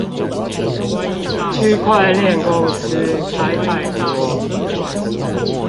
區塊鏈公司開太多